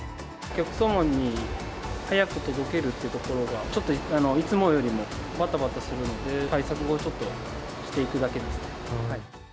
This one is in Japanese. お客様に早く届けるというところが、ちょっといつもよりも、ばたばたするので対策をちょっとしていくだけですね。